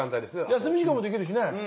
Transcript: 休み時間もできるしね！